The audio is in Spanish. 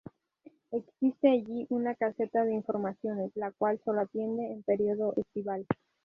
Existe allí una caseta de informaciones, la cual solo atiende en periodo estival.